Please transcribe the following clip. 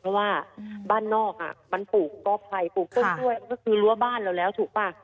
เพราะว่าบ้านนอกมันปลูกกอภัยปลูกต้นกล้วยก็คือรั้วบ้านเราแล้วถูกป่ะ